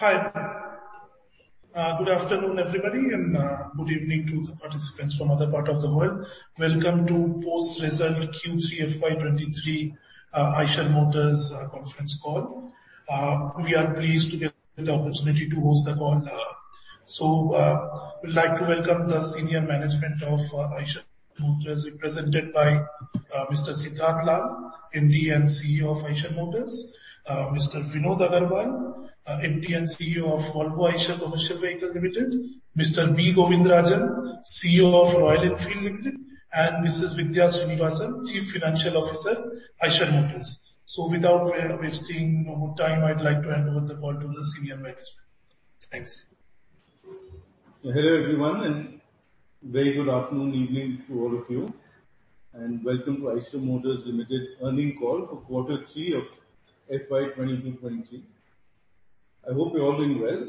Hi. Good afternoon, everybody, and good evening to the participants from other part of the world. Welcome to post result Q3 FY23 Eicher Motors conference call. We are pleased to get the opportunity to host the call, so we'd like to welcome the senior management of Eicher Motors, represented by Mr. Siddhartha Lal, MD and CEO of Eicher Motors. Mr. Vinod Aggarwal, MD and CEO of VE Commercial Vehicles Limited. Mr. B. Govindarajan, CEO of Royal Enfield Limited, and Mrs. Vidhya Srinivasan, Chief Financial Officer, Eicher Motors. Without wasting no more time, I'd like to hand over the call to the senior management. Thanks. Hello, everyone, and very good afternoon, evening to all of you. Welcome to Eicher Motors Limited earning call for quarter three of FY22-23. I hope you're all doing well.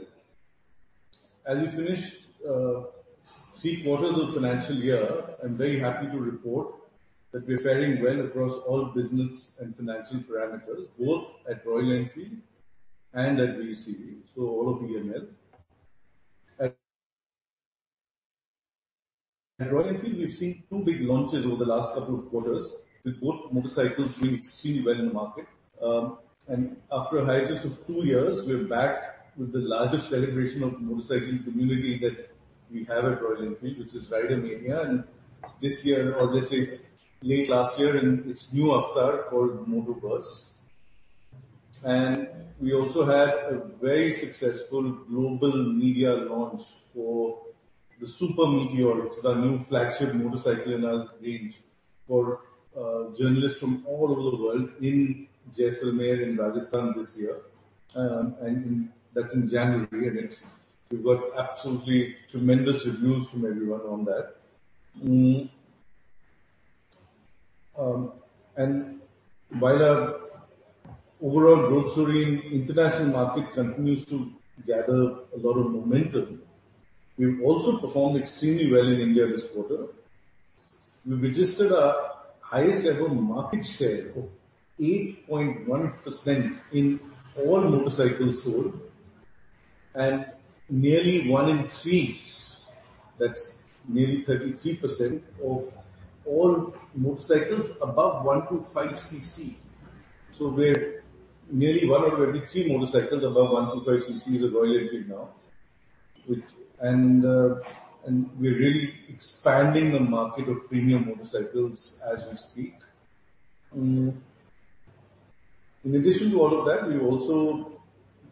As we finish three quarters of financial year, I'm very happy to report that we're fairing well across all business and financial parameters, both at Royal Enfield and at VEC, so all of EML. At Royal Enfield, we've seen two big launches over the last couple of quarters, with both motorcycles doing extremely well in the market. After a hiatus of two years, we're back with the largest celebration of motorcycling community that we have at Royal Enfield, which is Rider Mania. This year, or let's say late last year, in its new avatar called Motoverse. We also had a very successful global media launch for the Super Meteor, it's our new flagship motorcycle in our range for journalists from all over the world in Jaisalmer, in Rajasthan this year. That's in January. We've got absolutely tremendous reviews from everyone on that. While our overall growth story in international market continues to gather a lot of momentum, we've also performed extremely well in India this quarter. We registered our highest ever market share of 8.1% in all motorcycles sold. Nearly one in three, that's nearly 33% of all motorcycles above 125cc. Where nearly one out of every three motorcycles above 125cc is a Royal Enfield now. We're really expanding the market of premium motorcycles as we speak. In addition to all of that, we've also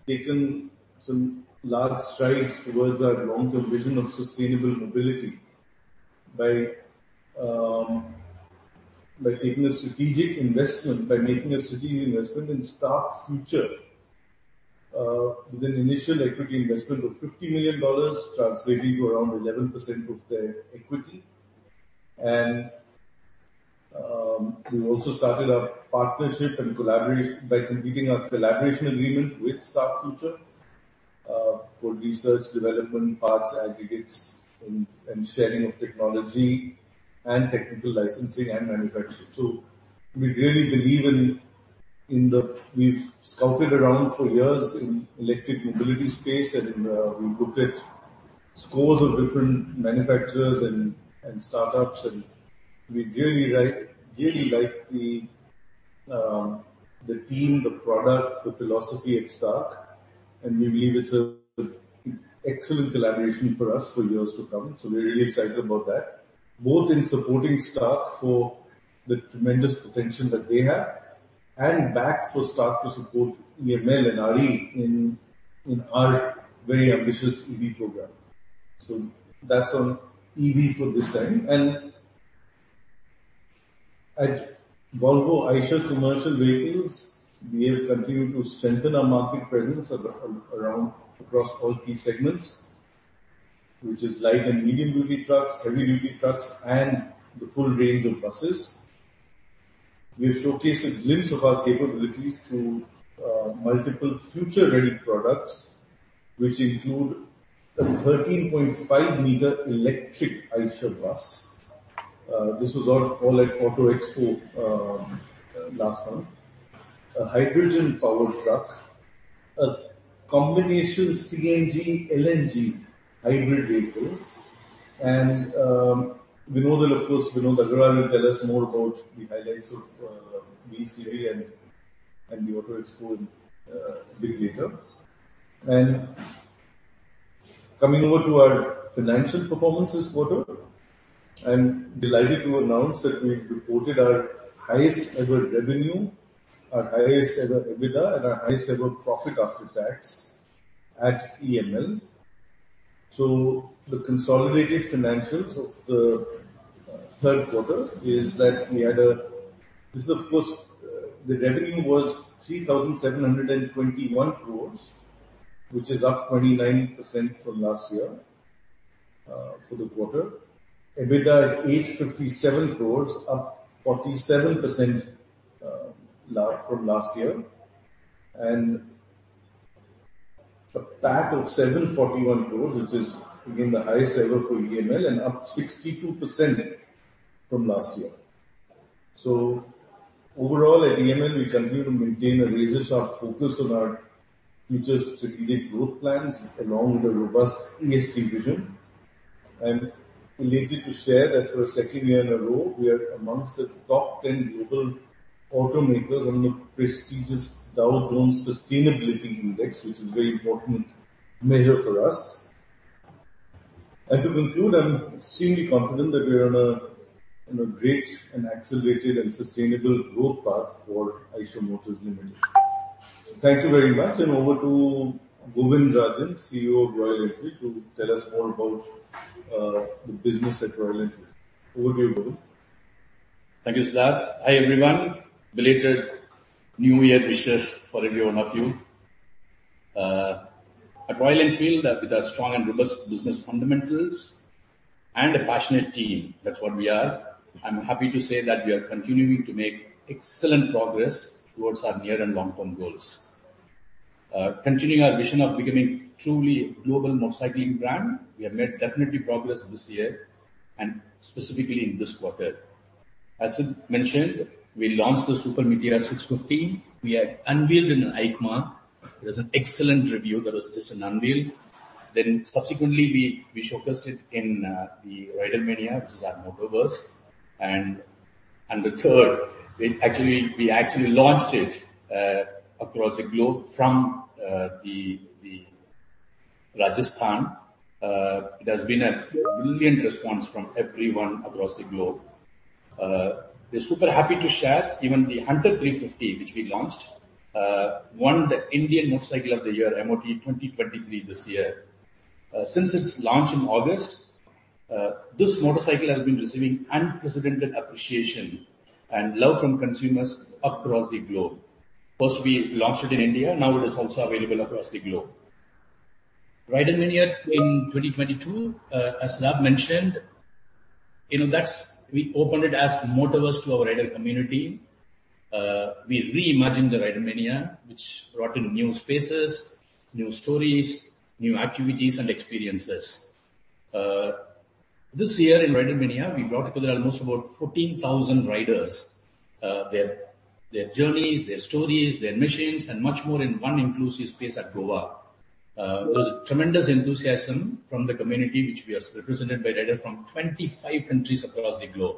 taken some large strides towards our long-term vision of sustainable mobility by making a strategic investment in Stark Future, with an initial equity investment of $50 million, translating to around 11% of their equity. We've also started a partnership and by completing a collaboration agreement with Stark Future, for research, development, parts, aggregates and sharing of technology and technical licensing and manufacturing. We really believe in the... We've scouted around for years in electric mobility space, and, we looked at scores of different manufacturers and startups, and we really like the team, the product, the philosophy at Stark, and we believe it's an excellent collaboration for us for years to come. We're really excited about that. Both in supporting Stark for the tremendous potential that they have and back for Stark to support EML and RE in our very ambitious EV program. That's on EV for this time. At VE Commercial Vehicles, we have continued to strengthen our market presence around across all key segments, which is light and medium-duty trucks, heavy-duty trucks, and the full range of buses. We've showcased a glimpse of our capabilities through multiple future-ready products, which include a 13.5 meter electric Eicher bus. This was on call at Auto Expo last month. A hydrogen-powered truck. A combination CNG, LNG hybrid vehicle. Vinod will of course, Vinod Aggarwal will tell us more about the highlights of VECV and the Auto Expo in bit later. Coming over to our financial performance this quarter. I'm delighted to announce that we've reported our highest ever revenue, our highest ever EBITDA and our highest ever profit after tax at EML. The consolidated financials of the third quarter is that This is of course, the revenue was 3,721 crores, which is up 29% from last year, for the quarter. EBITDA at 857 crores, up 47% from last year. A PAT of 741 crores, which is again the highest ever for EML and up 62% from last year. Overall at EML, we continue to maintain a razor-sharp focus on our future strategic growth plans along with a robust ESG vision. Delighted to share that for a second year in a row, we are amongst the top 10 global automakers on the prestigious Dow Jones Sustainability Index, which is a very important measure for us. To conclude, I'm extremely confident that we are on a great and accelerated and sustainable growth path for Eicher Motors Limited. Thank you very much and over to Govindarajan, CEO of Royal Enfield, to tell us more about the business at Royal Enfield. Over to you, Govindarajan. Thank you, Siddharth. Hi everyone. Belated New Year wishes for every one of you. At Royal Enfield, with our strong and robust business fundamentals and a passionate team, that's what we are. I'm happy to say that we are continuing to make excellent progress towards our near and long-term goals. Continuing our vision of becoming truly global motorcycling brand, we have made definitely progress this year and specifically in this quarter. As Sid mentioned, we launched the Super Meteor 650. We had unveiled in EICMA. It was an excellent review. That was just an unveil. Subsequently, we showcased it in the Rider Mania, which is our Motoverse. The third, we actually launched it across the globe from the Rajasthan. It has been a brilliant response from everyone across the globe. We're super happy to share even the Hunter 350, which we launched, won the Indian Motorcycle of the Year, IMOTY, 2023 this year. Since its launch in August, this motorcycle has been receiving unprecedented appreciation and love from consumers across the globe. First we launched it in India. Now it is also available across the globe. Rider Mania in 2022, as Siddharth mentioned, you know, we opened it as Motoverse to our rider community. We reimagined the Rider Mania, which brought in new spaces, new stories, new activities and experiences. This year in Rider Mania, we brought together almost about 14,000 riders. Their journeys, their stories, their machines, and much more in one inclusive space at Goa. It was tremendous enthusiasm from the community, which was represented by riders from 25 countries across the globe.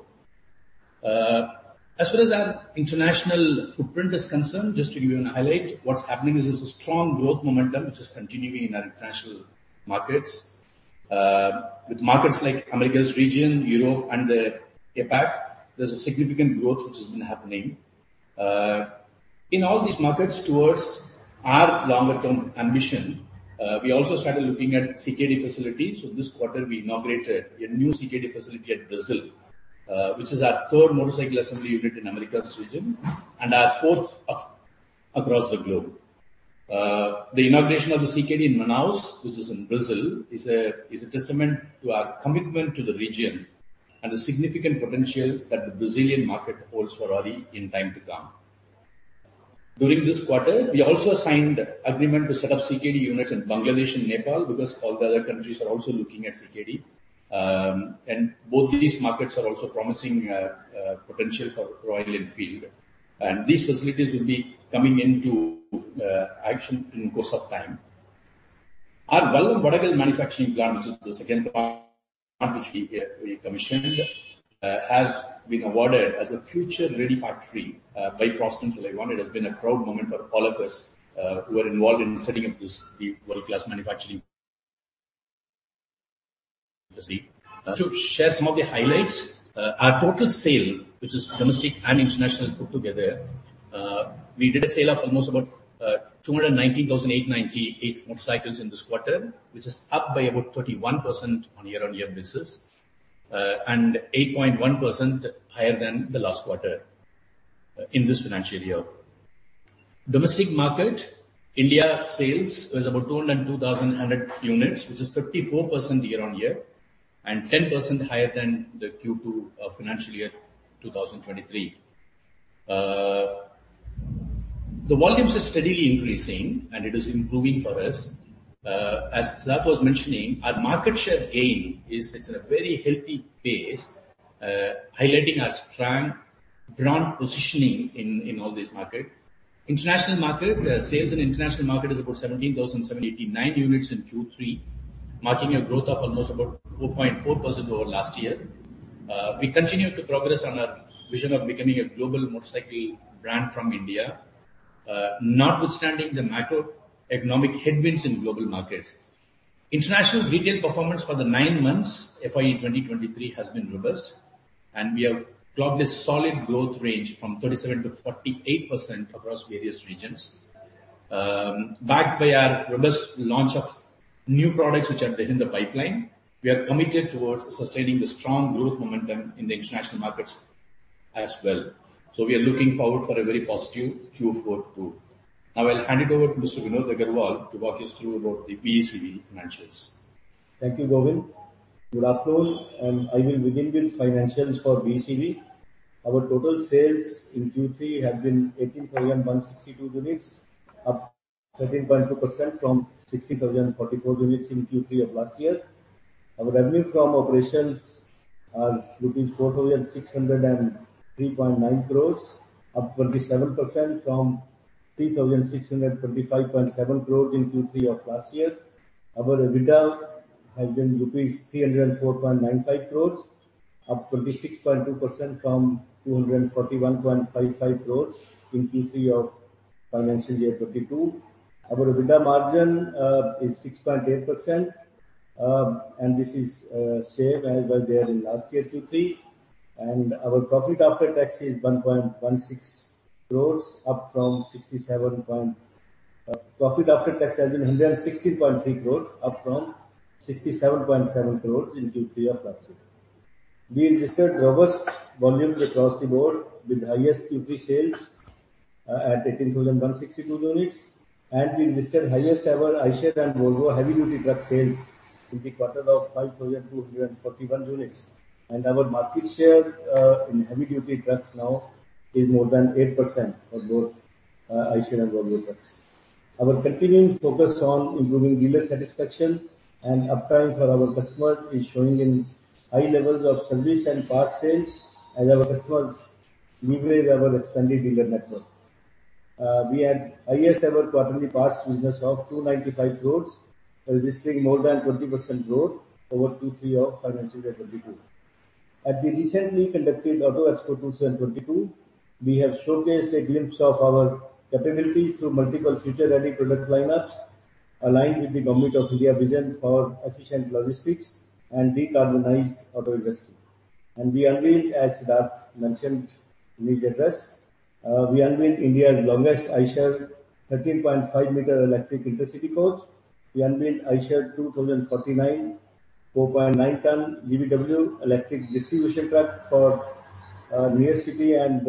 As far as our international footprint is concerned, just to give you an highlight, what's happening is a strong growth momentum which is continuing in our international markets. With markets like Americas region, Europe and the APAC, there's a significant growth which has been happening. In all these markets, towards our longer-term ambition, we also started looking at CKD facilities. This quarter we inaugurated a new CKD facility at Brazil, which is our third motorcycle assembly unit in Americas region and our fourth across the globe. The inauguration of the CKD in Manaus, which is in Brazil, is a testament to our commitment to the region and the significant potential that the Brazilian market holds for RE in time to come. During this quarter, we also signed agreement to set up CKD units in Bangladesh and Nepal because all the other countries are also looking at CKD. Both these markets are also promising potential for Royal Enfield, and these facilities will be coming into action in course of time. Our Vallam Vadagal manufacturing plant, which is the second plant which we commissioned, has been awarded as a future-ready factory by Frost & Sullivan. It has been a proud moment for all of us who are involved in setting up this world-class manufacturing facility. To share some of the highlights, our total sale, which is domestic and international put together, we did a sale of almost about 219,898 motorcycles in this quarter, which is up by about 31% on year-on-year basis, and 8.1% higher than the last quarter in this financial year. Domestic market, India sales was about 202,000 units, which is 34% year-on-year and 10% higher than the Q2, financial year 2023. The volumes are steadily increasing, and it is improving for us. As Siddharth was mentioning, our market share gain is at a very healthy pace, highlighting our strong brand positioning in all these market. International market. Sales in international market is about 17,789 units in Q3, marking a growth of almost about 4.4% over last year. We continue to progress on our vision of becoming a global motorcycle brand from India, notwithstanding the macroeconomic headwinds in global markets. International retail performance for the 9 months, FY 2023, has been robust, and we have clocked a solid growth range from 37%-48% across various regions. Backed by our robust launch of new products which are there in the pipeline, we are committed towards sustaining the strong growth momentum in the international markets as well. We are looking forward for a very positive Q4 too. I'll hand it over to Mr. Vinod Aggarwal to walk us through about the VECV financials. Thank you, Govind. Good afternoon. I will begin with financials for VECV. Our total sales in Q3 have been 18,162 units, up 13.2% from 16,044 units in Q3 of last year. Our revenue from operations are rupees 4,603.9 crores, up 27% from 3,625.7 crores in Q3 of last year. Our EBITDA has been rupees 304.95 crores, up 26.2% from 241.55 crores in Q3 of FY22. Our EBITDA margin is 6.8%, and this is same as was there in last year Q3. Our profit after tax has been 160.3 crores, up from 67.7 crores in Q3 of last year. We registered robust volumes across the board with highest Q3 sales at 18,162 units. We registered highest ever Eicher and Volvo heavy duty truck sales in the quarter of 5,241 units. Our market share in heavy duty trucks now is more than 8% for both Eicher and Volvo trucks. Our continuing focus on improving dealer satisfaction and uptime for our customers is showing in high levels of service and parts sales as our customers leverage our expanded dealer network. We had highest ever quarterly parts business of 295 crores, registering more than 20% growth over Q3 of FY 22. At the recently conducted Auto Expo 2022, we have showcased a glimpse of our capabilities through multiple future ready product lineups aligned with the Government of India vision for efficient logistics and decarbonized auto industry. We unveiled, as Siddharth mentioned in his address, we unveiled India's longest Eicher 13.5 meter electric intercity coach. We unveiled Eicher 2049, 4.9 ton GVW electric distribution truck for near city and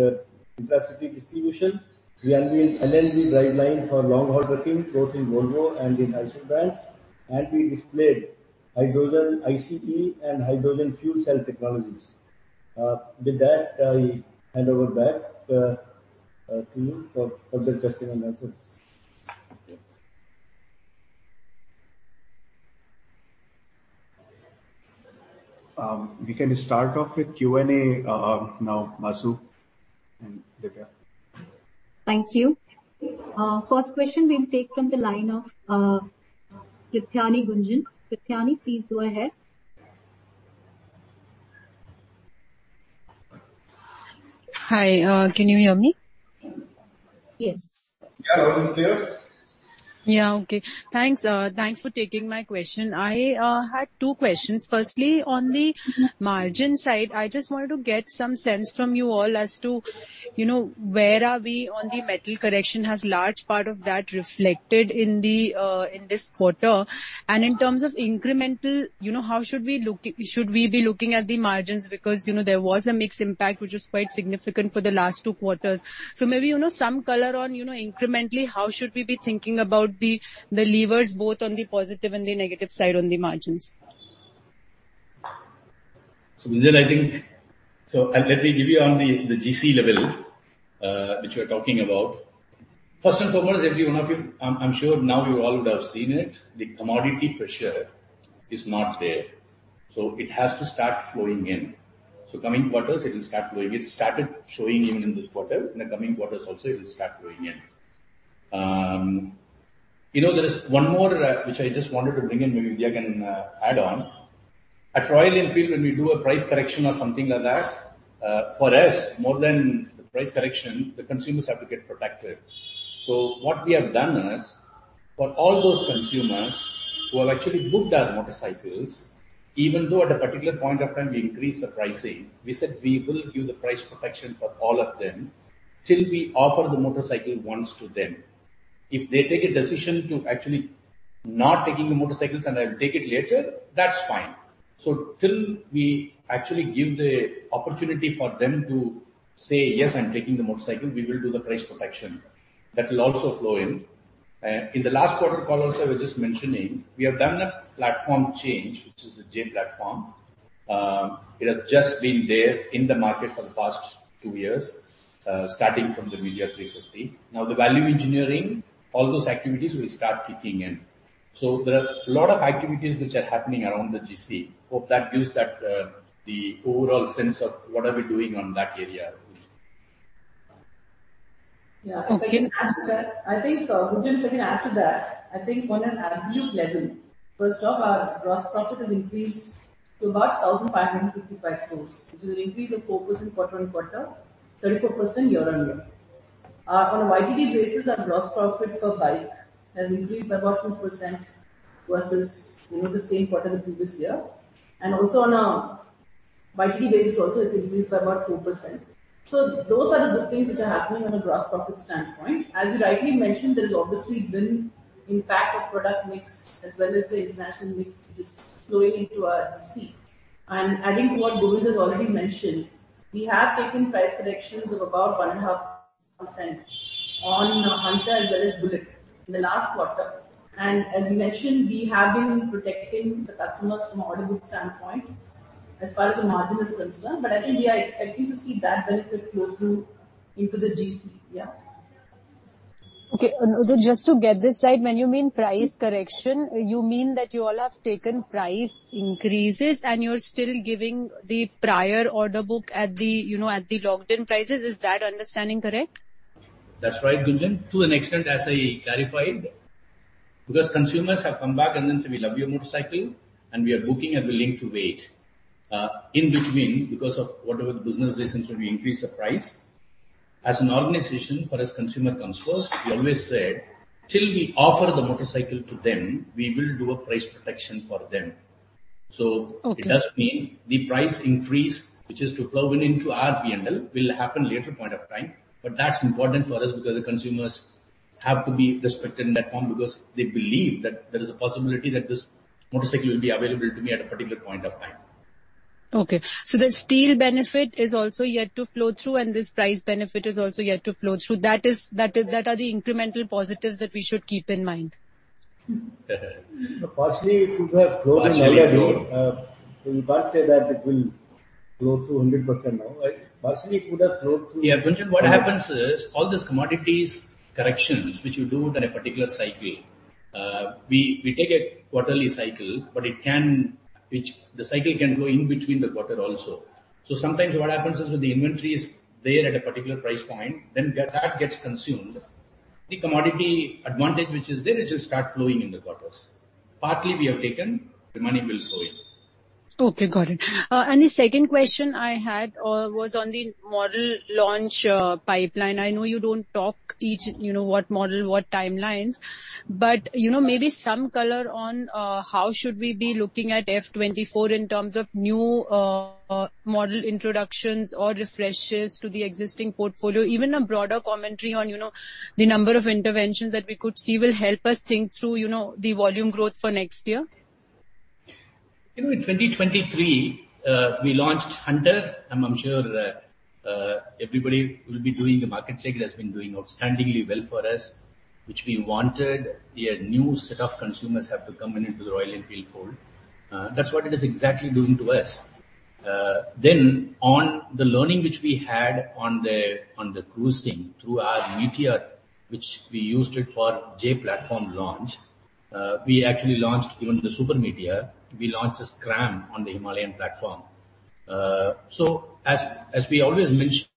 intracity distribution. We unveiled LNG driveline for long-haul trucking, both in Volvo and in Eicher brands. We displayed hydrogen ICE and hydrogen fuel cell technologies. With that, I hand over back to you for the question and answers. We can start off with Q&A, now, Masu and Dipya. Thank you. First question we'll take from the line of Prithyani Gunjan. Prithyani, please go ahead. Hi, can you hear me? Yes. Yeah, loud and clear. Yeah, okay. Thanks, thanks for taking my question. I had two questions. Firstly, on the margin side, I just wanted to get some sense from you all as to, you know, where are we on the metal correction. Has large part of that reflected in the in this quarter? In terms of incremental, you know, how should we be looking at the margins? Because, you know, there was a mix impact which was quite significant for the last two quarters. Maybe, you know, some color on, you know, incrementally, how should we be thinking about the levers both on the positive and the negative side on the margins? Gunjan, I think. Let me give you on the GC level, which you are talking about. First and foremost, every one of you, I'm sure now you all would have seen it, the commodity pressure is not there, so it has to start flowing in. Coming quarters it will start flowing in. It started showing in this quarter. In the coming quarters also it will start flowing in. You know, there is one more, which I just wanted to bring in, maybe Vijaya can add on. At Royal Enfield, when we do a price correction or something like that, for us, more than the price correction, the consumers have to get protected. What we have done is, for all those consumers who have actually booked our motorcycles, even though at a particular point of time we increase the pricing, we said we will give the price protection for all of them till we offer the motorcycle once to them. If they take a decision to actually not taking the motorcycles and I'll take it later, that's fine. Till we actually give the opportunity for them to say, "Yes, I'm taking the motorcycle," we will do the price protection. That will also flow in. In the last quarter call also I was just mentioning, we have done a platform change, which is the J-platform. It has just been there in the market for the past two years, starting from the Meteor 350. Now the value engineering, all those activities will start kicking in. There are a lot of activities which are happening around the GC. Hope that gives that, the overall sense of what are we doing on that area. Yeah. Okay. If I can add to that. I think, Gunjan, if I can add to that. I think on an absolute level, first off, our gross profit has increased to about 1,555 crores, which is an increase of 4% quarter-on-quarter, 34% year-on-year. On a YTD basis, our gross profit per bike has increased by about 4% versus, you know, the same quarter the previous year. Also on a YTD basis also it's increased by about 4%. Those are the good things which are happening on a gross profit standpoint. As you rightly mentioned, there has obviously been impact of product mix as well as the international mix just flowing into our GC. Adding to what Govindarajan has already mentioned, we have taken price corrections of about 1.5% on Hunter as well as Bullet in the last quarter. As you mentioned, we have been protecting the customers from order book standpoint as far as the margin is concerned, but I think we are expecting to see that benefit flow through into the GC. Yeah. Okay. Just to get this right, when you mean price correction, you mean that you all have taken price increases and you're still giving the prior order book at the, you know, at the locked-in prices. Is that understanding correct? That's right, Gunjan. To an extent, as I clarified. Because consumers have come back and then say, "We love your motorcycle, and we are booking and willing to wait." in between, because of whatever the business reasons were, we increased the price. As an organization, for us consumer comes first. We always said, till we offer the motorcycle to them, we will do a price protection for them. Okay. It does mean the price increase, which is to flow into our PNL, will happen later point of time. That's important for us because the consumers have to be respected in that form, because they believe that there is a possibility that this motorcycle will be available to me at a particular point of time. Okay. The steel benefit is also yet to flow through, and this price benefit is also yet to flow through. That are the incremental positives that we should keep in mind. Partially it could have flowed in earlier year. Partially flowed. You can't say that it will flow through 100% now. Right? Partially it could have flowed through- Yeah, Gunjan, what happens is, all these commodities corrections which you do at a particular cycle, we take a quarterly cycle, but the cycle can go in between the quarter also. Sometimes what happens is when the inventory is there at a particular price point, then that gets consumed. The commodity advantage which is there, it will start flowing in the quarters. Partly we have taken, the money will flow in. Okay, got it. The second question I had was on the model launch pipeline. I know you don't talk each, you know, what model, what timelines, but, you know, maybe some color on how should we be looking at FY 2024 in terms of new model introductions or refreshes to the existing portfolio. Even a broader commentary on, you know, the number of interventions that we could see will help us think through, you know, the volume growth for next year. You know, in 2023, we launched Hunter, and I'm sure, everybody will be doing a market share. It has been doing outstandingly well for us, which we wanted. We had new set of consumers have to come into the Royal Enfield fold. That's what it is exactly doing to us. On the learning which we had on the cruising through our Meteor, which we used it for J-platform launch, we actually launched even the Super Meteor. We launched the Scram on the Himalayan platform. As we always mention,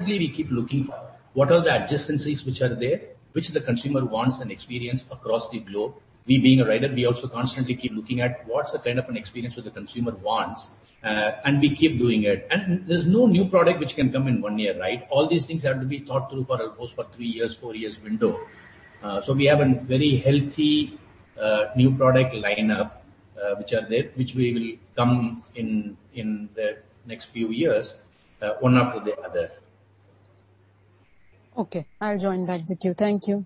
we keep looking for what are the adjacencies which are there, which the consumer wants and experience across the globe. We being a rider, we also constantly keep looking at what's the kind of an experience which the consumer wants, and we keep doing it. There's no new product which can come in one year, right? All these things have to be thought through for at least three years, four years window. We have a very healthy new product lineup, which are there, which we will come in the next few years, one after the other. Okay. I'll join back with you. Thank you.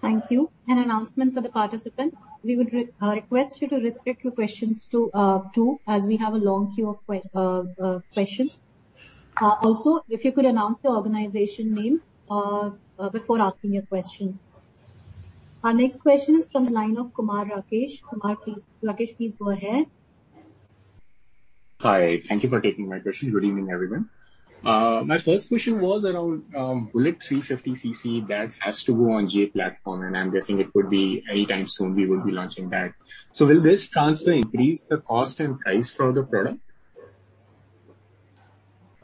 Thank you. An announcement for the participant. We would request you to restrict your questions to two as we have a long queue of questions. Also, if you could announce your organization name before asking your question. Our next question is from the line of Kumar Rakesh. Rakesh, please go ahead. Hi. Thank you for taking my question. Good evening, everyone. My first question was around, Bullet 350 cc that has to go on J-platform. I'm guessing it could be anytime soon we will be launching that. Will this transfer increase the cost and price for the product?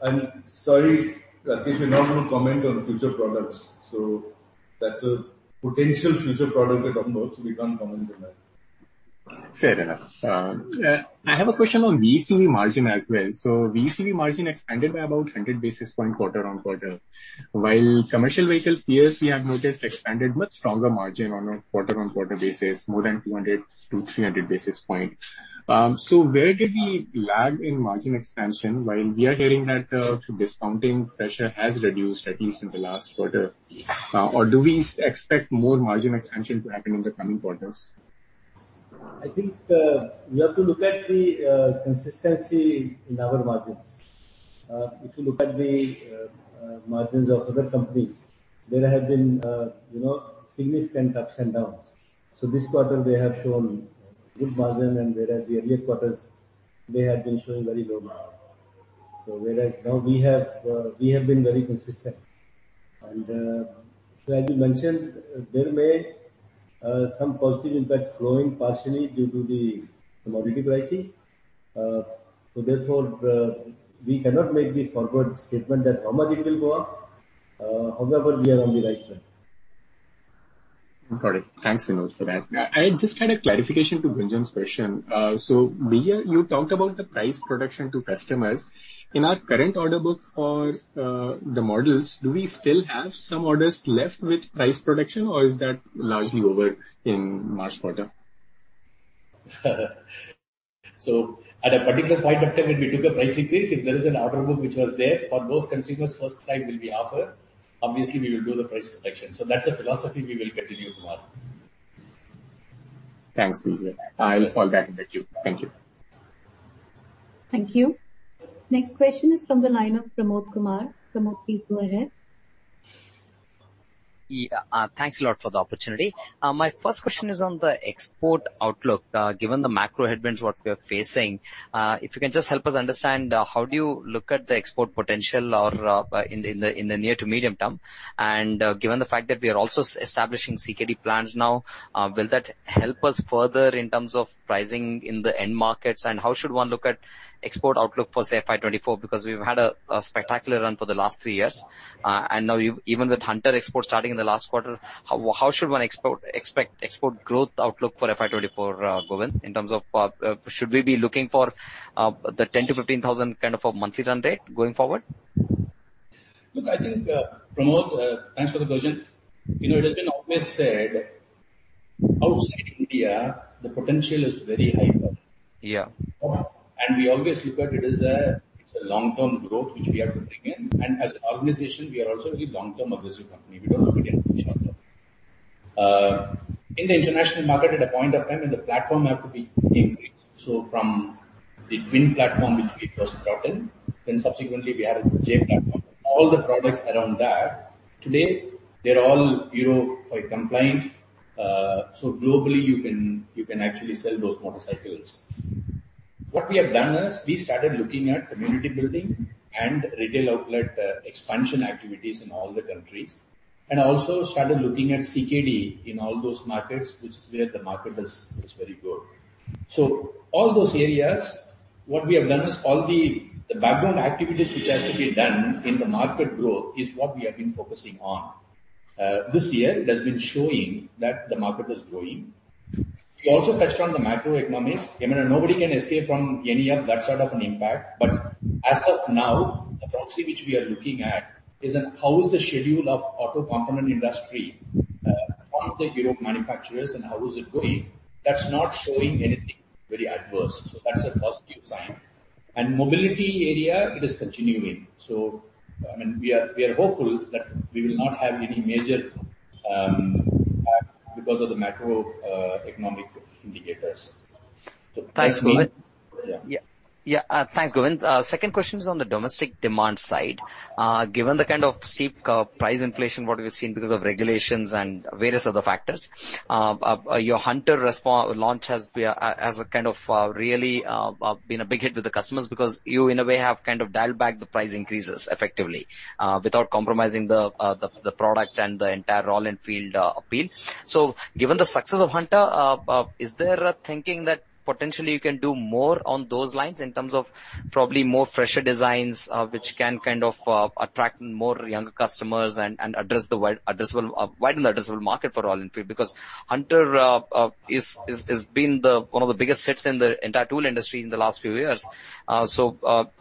I'm sorry, Rakesh, we're not going to comment on future products. That's a potential future product you're talking about, so we can't comment on that. Fair enough. I have a question on VECV margin as well. VECV margin expanded by about 100 basis points quarter-on-quarter, while commercial vehicle peers we have noticed expanded much stronger margin on a quarter-on-quarter basis, more than 200-300 basis points. Where did we lag in margin expansion while we are hearing that discounting pressure has reduced at least in the last quarter? Do we expect more margin expansion to happen in the coming quarters? I think, you have to look at the consistency in our margins. If you look at the margins of other companies, there have been, you know, significant ups and downs. This quarter they have shown good margin, and whereas the earlier quarters, they had been showing very low margins. Whereas now we have, we have been very consistent. As you mentioned, there may some positive impact flowing partially due to the commodity pricing. Therefore, we cannot make the forward statement that how much it will go up. However, we are on the right track. Got it. Thanks, Vinod, for that. I just had a clarification to Gunjan's question. You talked about the price protection to customers. In our current order book for the models, do we still have some orders left with price protection or is that largely over in March quarter? At a particular point of time when we took a price increase, if there is an order book which was there, for those consumers first time will be offered, obviously we will do the price protection. That's a philosophy we will continue, Kumar. Thanks, Vinod. I'll fall back in the queue. Thank you. Thank you. Next question is from the line of Pramod Kumar. Pramod, please go ahead. Yeah, thanks a lot for the opportunity. My first question is on the export outlook. Given the macro headwinds, what we are facing, if you can just help us understand, how do you look at the export potential or, in the near to medium term? Given the fact that we are also establishing CKD plans now, will that help us further in terms of pricing in the end markets? How should one look at export outlook for, say, FY 2024? Because we've had a spectacular run for the last three years. Now even with Hunter export starting in the last quarter, how should one expect export growth outlook for FY24, Govind, in terms of, should we be looking for the 10,000-15,000 kind of a monthly run rate going forward? Look, I think, Pramod, thanks for the question. You know, it has been always said outside India, the potential is very high for us. Yeah. We always look at it as a long-term growth which we have to bring in. As an organization, we are also a very long-term-focused company. We don't look at any short-term. In the international market, at a point of time when the platform have to be increased. From the twin platform which we first got in, then subsequently we added the J-platform. All the products around that, today they're all Euro 5 compliant. Globally you can actually sell those motorcycles. What we have done is we started looking at community building and retail outlet expansion activities in all the countries, and also started looking at CKD in all those markets, which is where the market is very good. All those areas, what we have done is all the background activities which has to be done in the market growth is what we have been focusing on. This year it has been showing that the market is growing. We also touched on the macroeconomics. I mean, nobody can escape from any of that sort of an impact. As of now, the policy which we are looking at is on how is the schedule of auto component industry from the Europe manufacturers and how is it going. That's not showing anything very adverse. That's a positive sign. Mobility area, it is continuing. I mean, we are hopeful that we will not have any major impact because of the macroeconomic indicators. Basically. Thanks, Govind. Yeah. Yeah. Yeah, thanks, Govind. Second question is on the domestic demand side. Given the kind of steep price inflation, what we've seen because of regulations and various other factors. Your Hunter launch has been as a kind of really been a big hit with the customers because you in a way have kind of dialed back the price increases effectively without compromising the the product and the entire Royal Enfield appeal. Given the success of Hunter, is there a thinking that potentially you can do more on those lines in terms of probably more fresher designs which can kind of attract more younger customers and widen the addressable market for Royal Enfield? Hunter is been the one of the biggest hits in the entire two-wheeler industry in the last few years.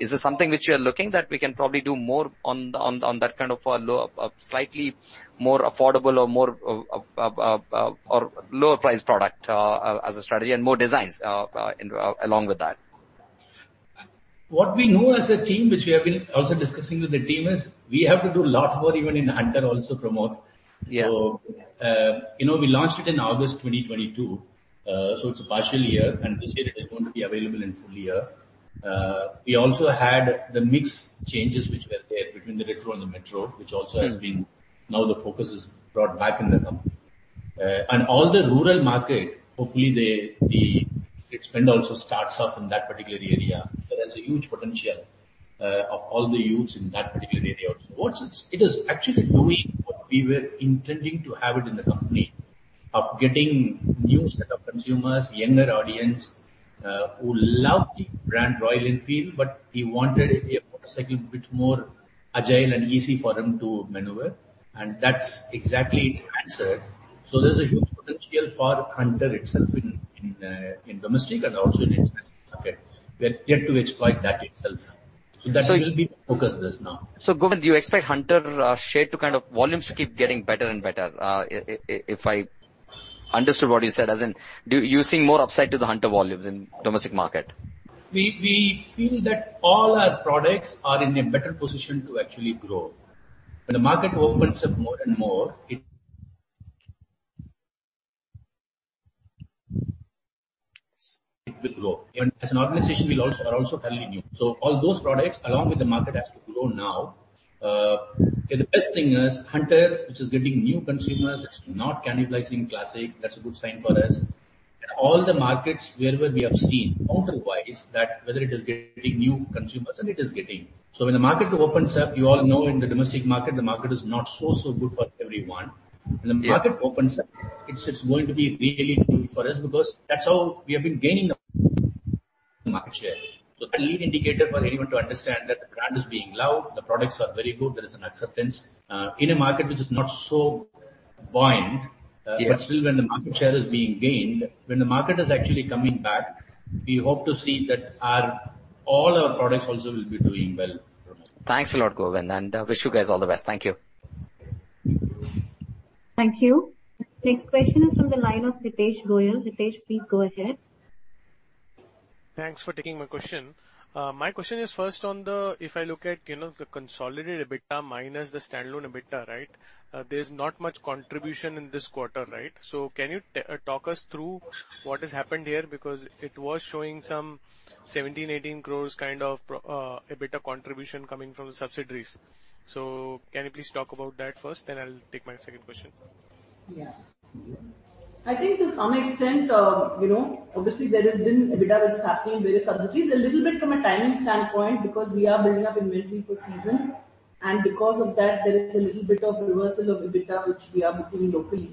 Is this something which you are looking that we can probably do more on that kind of a slightly more affordable or more or lower priced product as a strategy and more designs in along with that? What we know as a team, which we have been also discussing with the team, is we have to do lot more even in Hunter also, Pramod. Yeah. You know, we launched it in August 2022, so it's a partial year, and this year it is going to be available in full year. We also had the mix changes which were there between the Retro and the Metro. Mm-hmm. Which also has been. Now the focus is brought back in the company. All the rural market, hopefully they, the spend also starts off in that particular area. There is a huge potential of all the youths in that particular area also. It is actually doing what we were intending to have it in the company of getting new set of consumers, younger audience, who love the brand Royal Enfield, but he wanted a motorcycle bit more agile and easy for him to maneuver, and that's exactly it answered. There's a huge potential for Hunter itself in domestic and also in international market. We are yet to exploit that itself. So. That will be the focus with us now. Govind, do you expect Hunter share to kind of volumes to keep getting better and better? If I understood what you said. As in, do you seeing more upside to the Hunter volumes in domestic market? We feel that all our products are in a better position to actually grow. When the market opens up more and more, It will grow. Even as an organization, we are also fairly new. All those products along with the market has to grow now. The best thing is Hunter, which is getting new consumers. It's not cannibalizing Classic. That's a good sign for us. In all the markets wherever we have seen counter-wise that whether it is getting new consumers, and it is getting. When the market opens up, you all know in the domestic market, the market is not so good for everyone. Yeah. When the market opens up, it's going to be really good for us because that's how we have been gaining the market share. A lead indicator for anyone to understand that the brand is being loved, the products are very good. There is an acceptance in a market which is not so buoyant. Yeah. Still when the market share is being gained, when the market is actually coming back, we hope to see that our, all our products also will be doing well, Pramath. Thanks a lot, Govind, and wish you guys all the best. Thank you. Thank you. Next question is from the line of Hitesh Goel. Hitesh, please go ahead. Thanks for taking my question. My question is first on the, if I look at, you know, the consolidated EBITDA minus the standalone EBITDA, right? There's not much contribution in this quarter, right? Can you talk us through what has happened here? Because it was showing some 17, 18 crores kind of EBITDA contribution coming from the subsidiaries. Can you please talk about that first, then I'll take my second question. I think to some extent, you know, obviously there has been EBITDA which is happening in various subsidiaries. A little bit from a timing standpoint because we are building up inventory for season and because of that, there is a little bit of reversal of EBITDA which we are booking locally.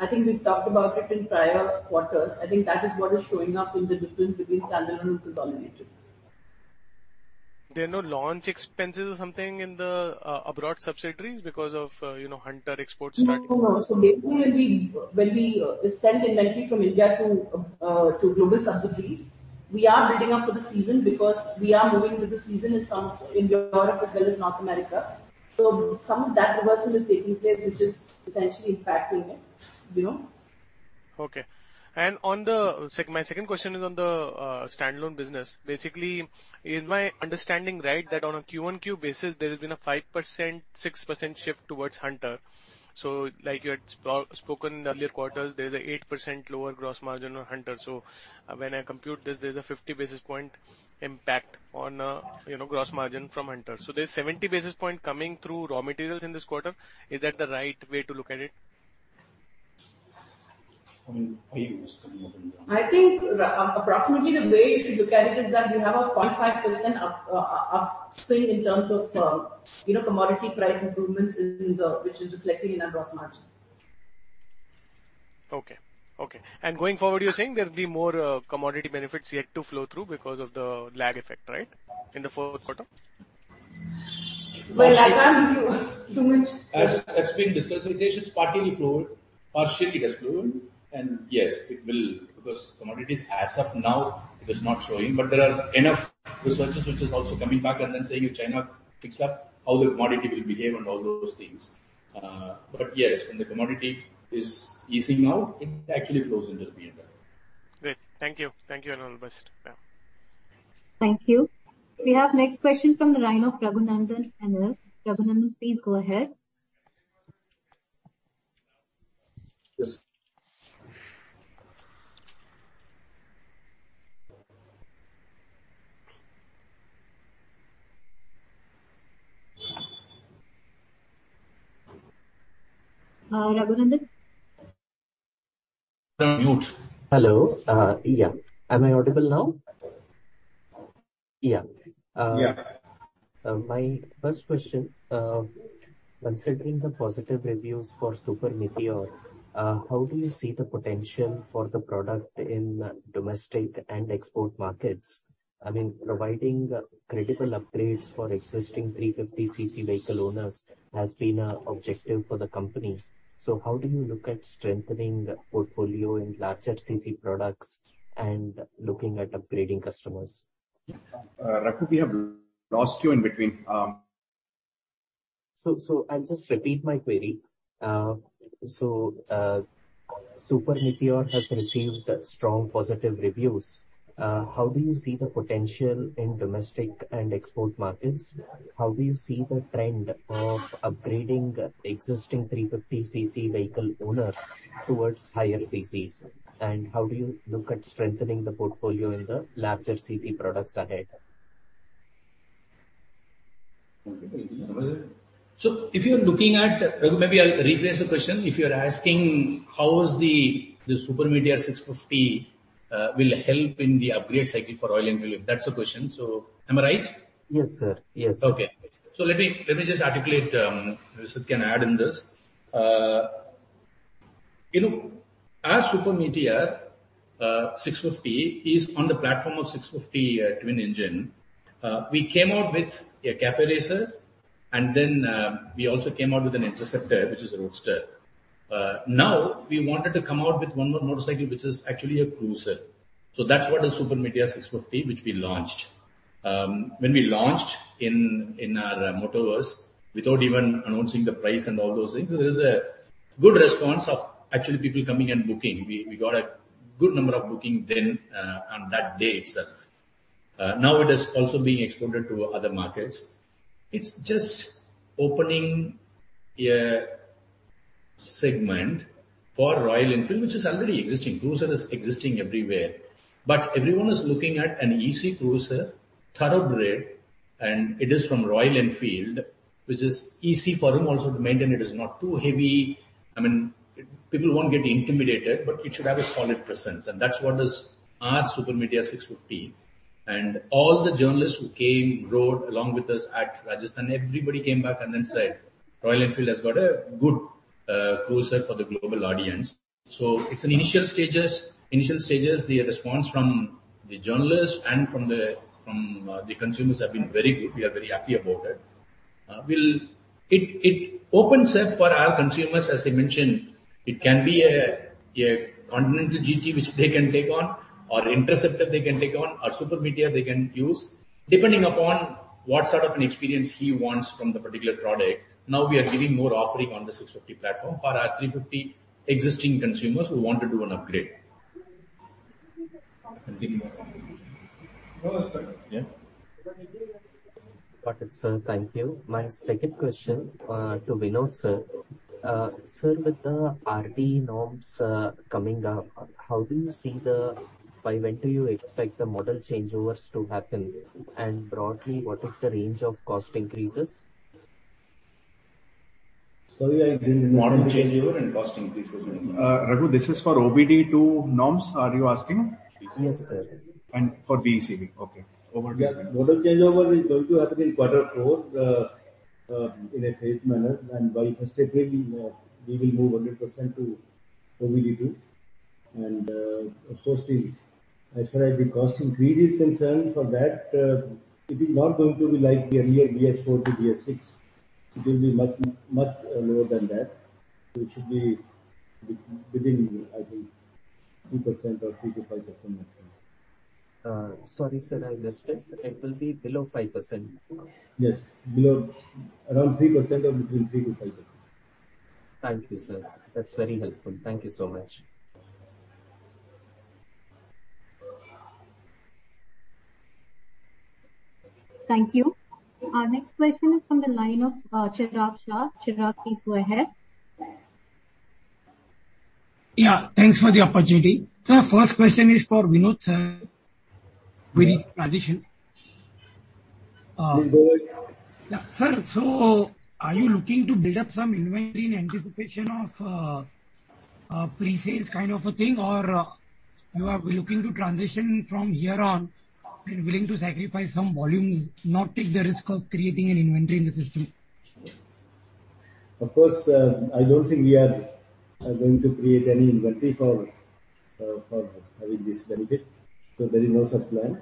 I think we've talked about it in prior quarters. I think that is what is showing up in the difference between standalone and consolidated. There are no launch expenses or something in the abroad subsidiaries because of, you know, Hunter exports starting? No, no. Basically when we send inventory from India to global subsidiaries, we are building up for the season because we are moving with the season in some, in Europe as well as North America. Some of that reversal is taking place, which is essentially impacting it, Vinod. Okay. On the, my second question is on the standalone business. Basically, is my understanding right that on a Q1Q basis there has been a 5%, 6% shift towards Hunter? Like you had spoken earlier quarters, there's an 8% lower gross margin on Hunter. When I compute this, there's a 50 basis point impact on, you know, gross margin from Hunter. There's 70 basis point coming through raw materials in this quarter. Is that the right way to look at it? I mean, five was coming up. I think approximately the way you should look at it is that we have a 0.5% up, upstream in terms of, you know, commodity price improvements in the... which is reflecting in our gross margin. Okay. Okay. Going forward you're saying there'll be more commodity benefits yet to flow through because of the lag effect, right? In the fourth quarter. Well, I can't give you too much. As been discussed, partly it flowed, partially it has flowed. Yes, it will because commodities as of now it is not showing. There are enough researches which is also coming back and then saying if China picks up how the commodity will behave and all those things. Yes, when the commodity is easing out, it actually flows into the PNL. Great. Thank you. Thank you, all the est. Yeah. Thank you. We have next question from the line of Raghunandhan. Raghunandhan, please go ahead. Yes. Raghunadhan. You're on mute. Hello. Yeah. Am I audible now? Yeah. Yeah. My first question. Considering the positive reviews for Super Meteor, how do you see the potential for the product in domestic and export markets? Providing critical upgrades for existing 350 cc vehicle owners has been a objective for the company. How do you look at strengthening portfolio in larger cc products and looking at upgrading customers? Raghu, we have lost you in between. I'll just repeat my query. Super Meteor has received strong positive reviews. How do you see the potential in domestic and export markets? How do you see the trend of upgrading existing 350 cc vehicle owners towards higher ccs? How do you look at strengthening the portfolio in the larger cc products ahead? Okay .Sure. Raghu, maybe I'll rephrase the question. If you're asking how is the Super Meteor 650 will help in the upgrade cycle for Royal Enfield. If that's the question. Am I right? Yes, sir. Yes. Okay. Let me just articulate, if I can add in this. You know, our Super Meteor 650 is on the platform of 650, twin engine. We came out with a café racer, and then, we also came out with an Interceptor, which is a roadster. Now we wanted to come out with one more motorcycle, which is actually a cruiser. That's what a Super Meteor 650 which we launched. When we launched in our Motoverse without even announcing the price and all those things, there is a good response of actually people coming and booking. We got a good number of booking then, on that day itself. Now it is also being exported to other markets. It's just opening a segment for Royal Enfield, which is already existing. Cruiser is existing everywhere, but everyone is looking at an easy cruiser, thoroughbred, and it is from Royal Enfield, which is easy for them also to maintain. It is not too heavy. I mean, people won't get intimidated, but it should have a solid presence, and that's what is our Super Meteor 650. All the journalists who came, rode along with us at Rajasthan, everybody came back and then said, "Royal Enfield has got a good cruiser for the global audience." It's in initial stages. The response from the journalists and from the consumers have been very good. We are very happy about it. It opens up for our consumers, as I mentioned. It can be a Continental GT which they can take on or Interceptor they can take on or Super Meteor they can use, depending upon what sort of an experience he wants from the particular product. Now we are giving more offering on the 650 platform for our 350 existing consumers who want to do an upgrade. Anything more? No, that's it. Yeah. Got it, sir. Thank you. My second question, to Vinod, Sir. Sir, with the RDE norms coming up, by when do you expect the model changeovers to happen? Broadly, what is the range of cost increases? Sorry. Model changeover and cost increases and Raghu, this is for OBD2 norms, are you asking? Yes, sir. For VECV. Okay. Over to you. Yeah. Model changeover is going to happen in quarter four in a phased manner, by first quarter we will move 100% to OBD2. Of course, the, as far as the cost increase is concerned, for that, it is not going to be like the earlier BS4 to BS6. It will be much, much lower than that. It should be within, I think, 3% or 3%-5% maximum. Sorry sir, I missed it. It will be below 5%? Yes. Below. Around 3% or between 3%-5%. Thank you, sir. That's very helpful. Thank you so much. Thank you. Our next question is from the line of Chirag Shah. Chirag, please go ahead. Yeah, thanks for the opportunity. Our first question is for Vinod, sir. Mm-hmm. With transition. Vinod. Sir, are you looking to build up some inventory in anticipation of a pre-sales kind of a thing? Or you are looking to transition from here on and willing to sacrifice some volumes, not take the risk of creating an inventory in the system? Of course, I don't think we are going to create any inventory for having this benefit, so there is no such plan.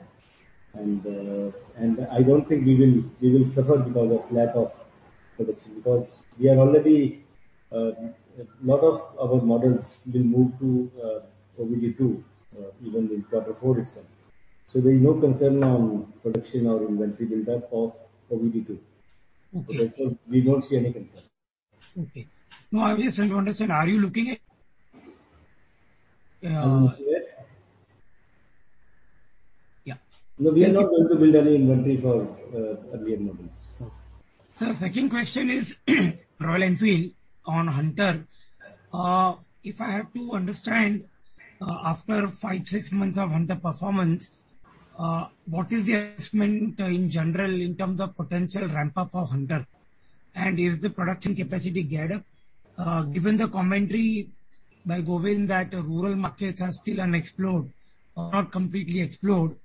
I don't think we will suffer because of lack of production, because we are already a lot of our models will move to OBD2 even in quarter four itself. There's no concern on production or inventory build-up of OBD2. Okay. We don't see any concern. Okay. No, I recently understood. Are you looking at? Are we looking at? Yeah. No, we are not going to build any inventory for earlier models. Okay. Sir, second question is Royal Enfield on Hunter. If I have to understand, after five, six months of Hunter performance, what is the assessment in general in terms of potential ramp-up of Hunter? Is the production capacity geared up? Given the commentary by Govind that rural markets are still unexplored or not completely explored,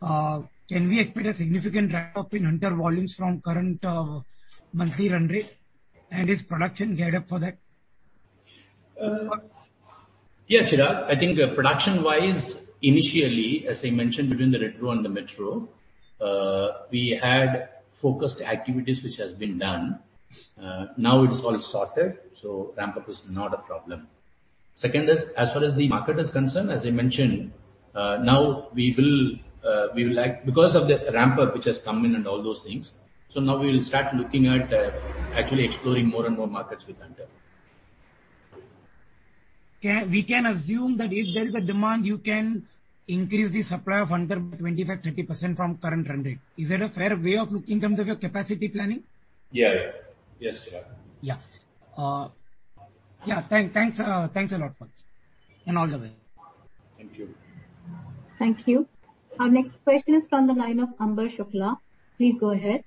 can we expect a significant ramp-up in Hunter volumes from current, monthly run rate and is production geared up for that? Yeah, Chirag. I think production-wise, initially, as I mentioned between the Retro and the Metro, we had focused activities which has been done. Now it's all sorted, so ramp-up is not a problem. Second is, as far as the market is concerned, as I mentioned, Because of the ramp-up which has come in and all those things, so now we will start looking at, actually exploring more and more markets with Hunter. We can assume that if there is a demand, you can increase the supply of Hunter by 25%, 30% from current run rate. Is that a fair way of looking in terms of your capacity planning? Yeah. Yeah. Yes, Chirag. Yeah. Yeah. Thanks a lot for this. All the best. Thank you. Thank you. Our next question is from the line of Ambar Shukla. Please go ahead.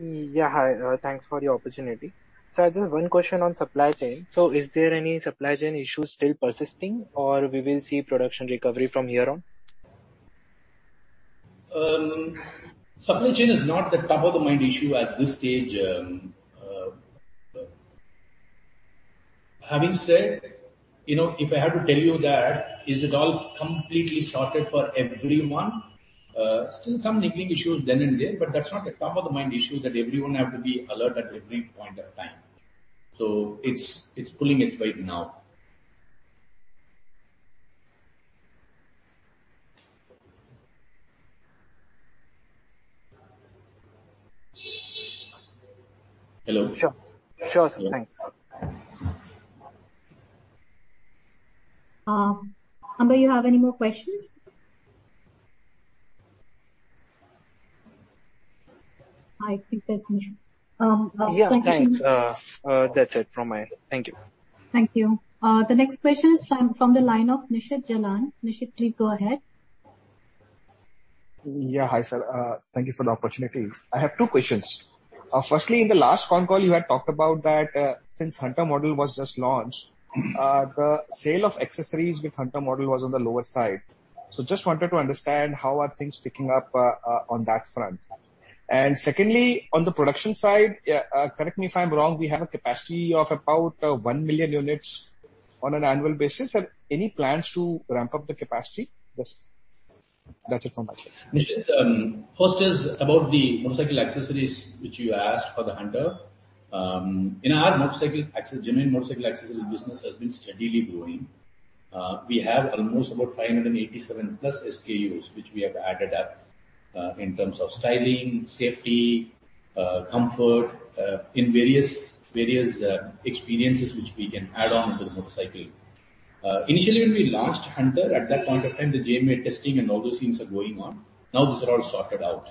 Yeah. Hi, thanks for the opportunity. I just have one question on supply chain. Is there any supply chain issues still persisting or we will see production recovery from here on? Supply chain is not the top of the mind issue at this stage. Having said, you know, if I had to tell you that, is it all completely sorted for everyone? Still some niggling issues then and there, but that's not a top of the mind issue that everyone have to be alert at every point of time. It's, it's pulling its weight now. Hello? Sure. Sure, sir. Thanks. Ambar, you have any more questions? I think that's- Yeah, thanks. That's it from my end. Thank you. Thank you. The next question is from the line of Nishit Jalan. Nishit, please go ahead. Yeah. Hi, sir. Thank you for the opportunity. I have two questions. Firstly, in the last phone call, you had talked about that, since Hunter model was just launched, the sale of accessories with Hunter model was on the lower side. Just wanted to understand how are things picking up on that front. Secondly, on the production side, correct me if I'm wrong, we have a capacity of about 1 million units on an annual basis. Any plans to ramp up the capacity? That's it from my side. Nishit, first is about the motorcycle accessories which you asked for the Hunter. In our genuine motorcycle accessories business has been steadily growing. We have almost about 587 plus SKUs, which we have added up, in terms of styling, safety, comfort, in various experiences which we can add on to the motorcycle. Initially when we launched Hunter, at that point of time, the JMA testing and all those things are going on. Now those are all sorted out.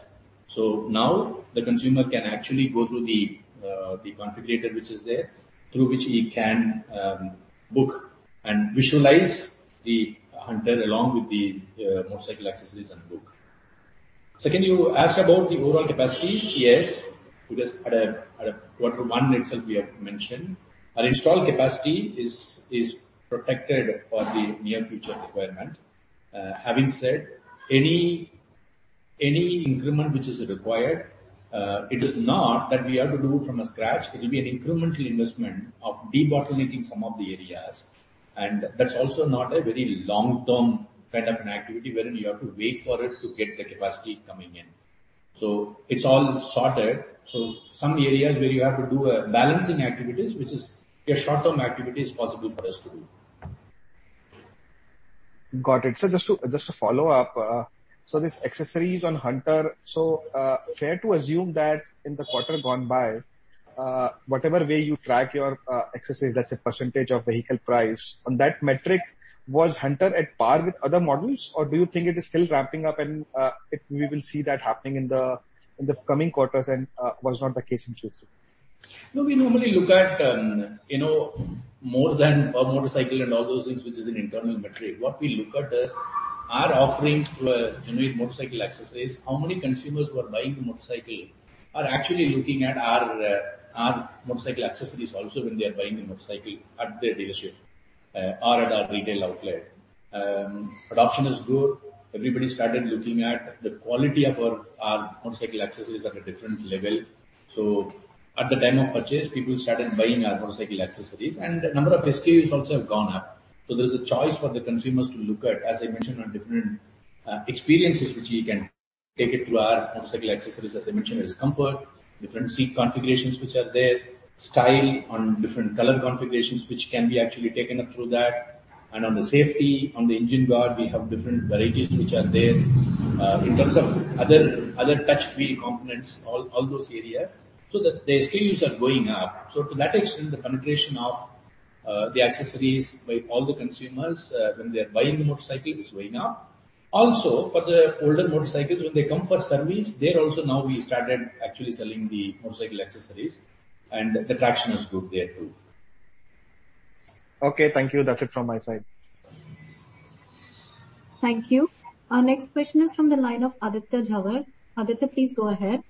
Now the consumer can actually go through the configurator which is there, through which he can book and visualize the Hunter along with the motorcycle accessories on book. Second, you asked about the overall capacity. Yes, we just had a quarter one itself we have mentioned. Our install capacity is protected for the near future requirement. Having said, any increment which is required, it is not that we have to do it from a scratch. It will be an incremental investment of debottlenecking some of the areas, and that's also not a very long-term kind of an activity wherein you have to wait for it to get the capacity coming in. It's all sorted. Some areas where you have to do, balancing activities, which is a short-term activity is possible for us to do. Got it. Just to follow up. These accessories on Hunter, fair to assume that in the quarter gone by, whatever way you track your accessories, that's a percentage of vehicle price. On that metric, was Hunter at par with other models or do you think it is still ramping up and we will see that happening in the coming quarters and was not the case in Q2? No, we normally look at, you know, more than a motorcycle and all those things, which is an internal metric. What we look at is our offerings to generate motorcycle accessories. How many consumers who are buying the motorcycle are actually looking at our motorcycle accessories also when they are buying the motorcycle at the dealership or at our retail outlet. Adoption is good. Everybody started looking at the quality of our motorcycle accessories at a different level. At the time of purchase, people started buying our motorcycle accessories and the number of SKUs also have gone up. There's a choice for the consumers to look at, as I mentioned, on different experiences which you can take it through our motorcycle accessories. As I mentioned, there is comfort, different seat configurations which are there. Style on different color configurations which can be actually taken up through that. On the safety, on the engine guard, we have different varieties which are there. In terms of other touch wheel components, all those areas, so the SKUs are going up. To that extent, the penetration of the accessories by all the consumers, when they're buying the motorcycle is going up. Also, for the older motorcycles, when they come for service, there also now we started actually selling the motorcycle accessories and the traction is good there too. Okay. Thank you. That's it from my side. Thank you. Our next question is from the line of Aditya Jhawar. Aditya, please go ahead.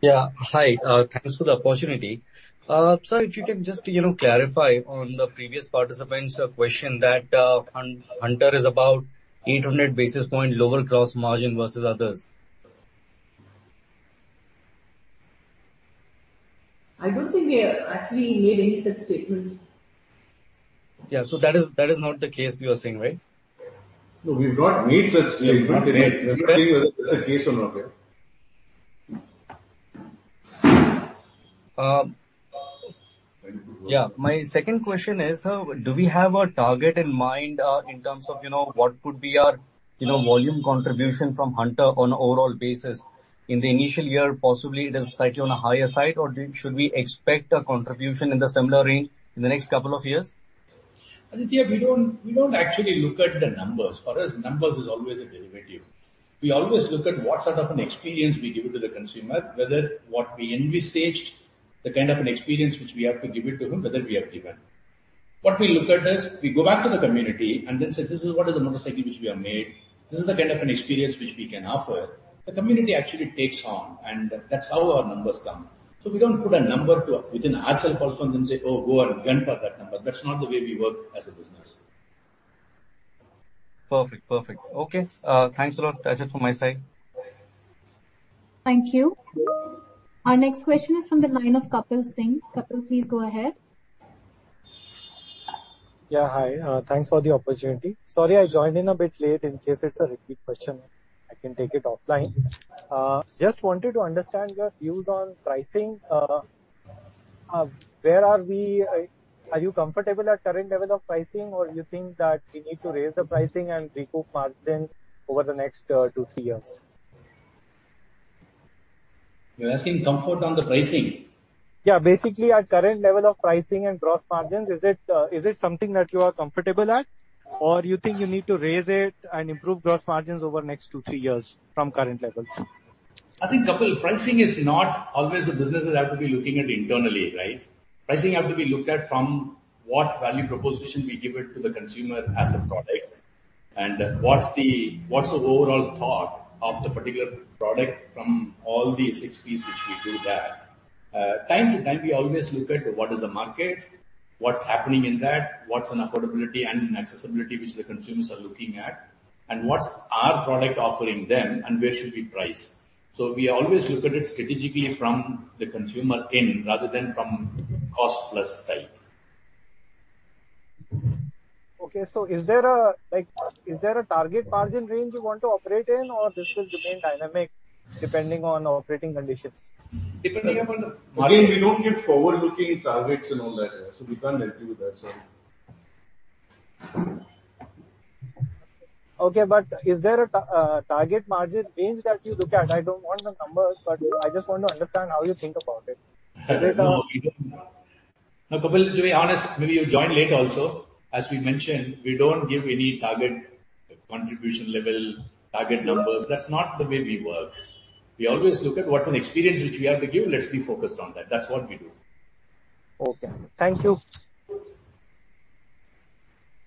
Yeah. Hi. Thanks for the opportunity. Sir, if you can just, you know, clarify on the previous participant's question that Hunter is about 800 basis point lower gross margin versus others. I don't think we actually made any such statement. Yeah. That is, that is not the case you are saying, right? No, we've not made such statement. Not made. We're saying whether that's the case or not yet. Um. Very good. Yeah. My second question is, do we have a target in mind, in terms of, you know, what could be our, you know, volume contribution from Hunter on an overall basis? In the initial year, possibly it is slightly on a higher side, or should we expect a contribution in the similar range in the next couple of years? Aditya, we don't actually look at the numbers. For us, numbers is always a derivative. We always look at what sort of an experience we give to the consumer, whether what we envisaged, the kind of an experience which we have to give it to him, whether we have given. What we look at is we go back to the community and then say, "This is what is the motorcycle which we have made. This is the kind of an experience which we can offer." The community actually takes on, and that's how our numbers come. We don't put a number to within ourself also and then say, "Oh, go and gun for that number." That's not the way we work as a business. Perfect. Perfect. Okay. Thanks a lot. That's it from my side. Thank you. Our next question is from the line of Kapil Singh. Kapil, please go ahead. Hi. Thanks for the opportunity. Sorry I joined in a bit late. In case it's a repeat question, I can take it offline. Just wanted to understand your views on pricing. Where are we? Are you comfortable at current level of pricing or you think that we need to raise the pricing and recoup margin over the next 2-3 years? You're asking comfort on the pricing? Basically at current level of pricing and gross margins, is it something that you are comfortable at or you think you need to raise it and improve gross margins over next 2-3 years from current levels? I think, Kapil, pricing is not always the businesses have to be looking at internally, right? Pricing have to be looked at from what value proposition we give it to the consumer as a product, and what's the overall thought of the particular product from all the 6 Ps which we do there. Time to time we always look at what is the market, what's happening in that, what's on affordability and accessibility which the consumers are looking at, and what's our product offering them and where should we price. We always look at it strategically from the consumer in rather than from cost plus type. Okay. Is there a, like, is there a target margin range you want to operate in or this will remain dynamic depending on operating conditions? Again, we don't give forward-looking targets and all that. We can't help you with that, sir. Okay. Is there a target margin range that you look at? I don't want the numbers, but I just want to understand how you think about it. Is it? No, we don't. No, Kapil, to be honest, maybe you joined late also. As we mentioned, we don't give any target contribution level, target numbers. That's not the way we work. We always look at what's an experience which we have to give. Let's be focused on that. That's what we do. Okay. Thank you.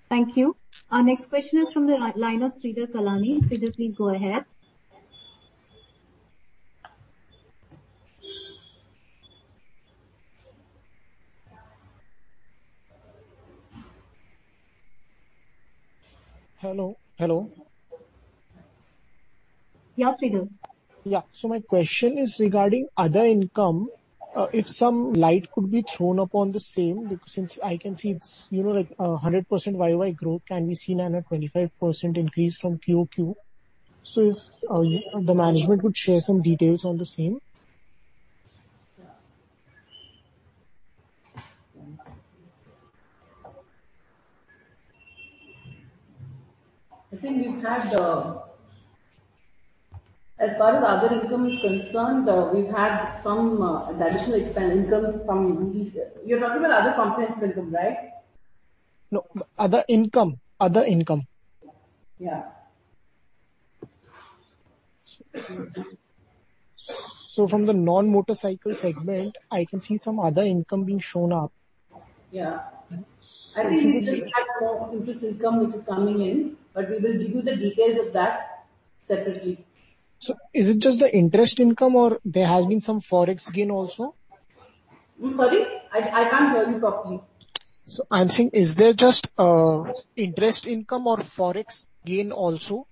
Thank you. Our next question is from the line of Sridhar Kalani. Sridhar, please go ahead. Hello. Hello. Yeah, Sridhar. Yeah. My question is regarding other income. If some light could be thrown upon the same, because since I can see it's, you know, like, 100% year-over-year growth can be seen and a 25% increase from quarter-over-quarter. If the management would share some details on the same. I think we've had. As far as other income is concerned, we've had some additional expand income from these. You're talking about other comprehensive income, right? No. Other income. Other income. Yeah. From the non-motorcycle segment, I can see some other income being shown up. Yeah. I think we just had more interest income which is coming in, but we will give you the details of that separately. Is it just the interest income or there has been some Forex gain also? I'm sorry? I can't hear you properly. I'm saying is there just, interest income or Forex gain also?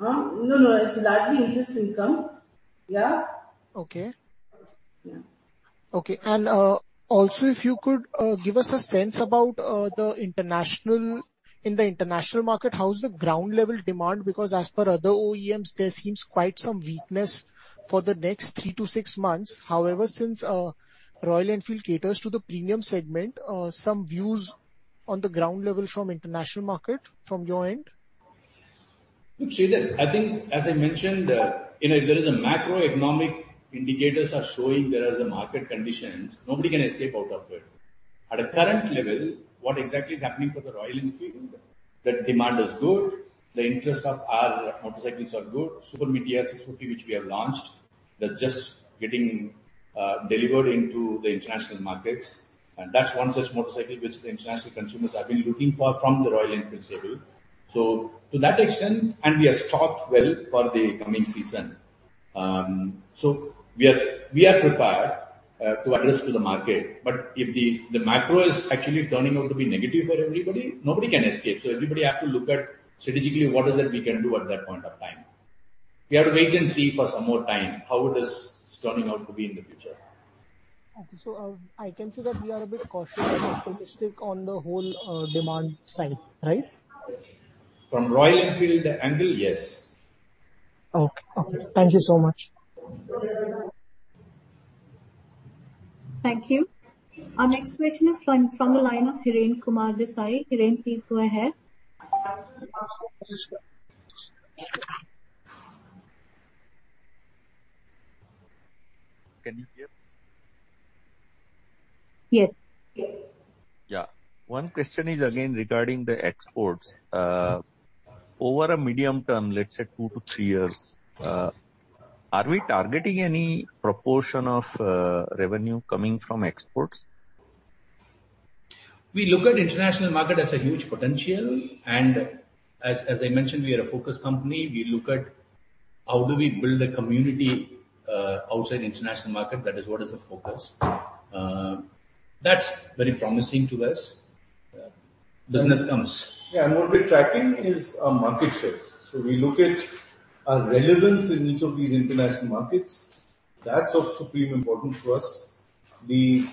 No, no. It's largely interest income. Yeah. Okay. Yeah. Okay. Also if you could give us a sense about in the international market, how's the ground-level demand? As per other OEMs, there seems quite some weakness for the next three to six months. Since Royal Enfield caters to the premium segment, some views on the ground level from international market from your end. Look, Sridhar, I think as I mentioned, you know, there is a macroeconomic indicators are showing there is a market conditions. Nobody can escape out of it. At the current level, what exactly is happening for the Royal Enfield, that demand is good, the interest of our motorcycles are good. Super Meteor 650 which we have launched, they're just getting delivered into the international markets. That's one such motorcycle which the international consumers have been looking for from the Royal Enfield stable. To that extent, and we are stocked well for the coming season. We are prepared to address to the market. If the macro is actually turning out to be negative for everybody, nobody can escape. Everybody have to look at strategically what is it we can do at that point of time. We have to wait and see for some more time how it is turning out to be in the future. Okay. I can say that we are a bit cautious and optimistic on the whole, demand side, right? From Royal Enfield angle, yes. Okay. Thank you so much. Thank you. Our next question is from the line of Hirenkumar Desai. Hiren, please go ahead. Can you hear? Yes. Yeah. One question is again regarding the exports. Over a medium term, let's say 2-3 years, are we targeting any proportion of revenue coming from exports? We look at international market as a huge potential. As I mentioned, we are a focused company. We look at how do we build a community outside international market. That is what is the focus. That's very promising to us. Business comes. What we're tracking is market shares. We look at our relevance in each of these international markets. That's of supreme importance to us. The